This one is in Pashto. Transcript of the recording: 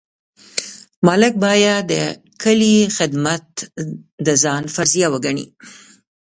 ملک باید د کلي خدمت د ځان فریضه وګڼي.